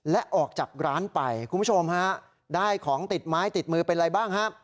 และออกจากร้านไปคุณผู้ชมฮะได้ของติดไม้ติดมือเป็นอะไรบ้างฮะ